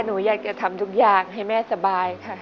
หนูอยากจะทำทุกอย่างให้แม่สบายค่ะ